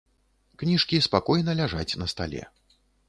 Кніжкі спакойна ляжаць на стале.